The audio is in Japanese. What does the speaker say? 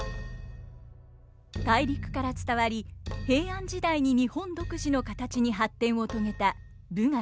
大陸から伝わり平安時代に日本独自の形に発展を遂げた舞楽。